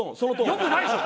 良くないでしょ！